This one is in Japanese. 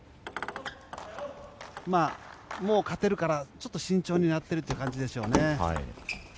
もう勝てるからちょっと慎重になっているという感じでしょうね。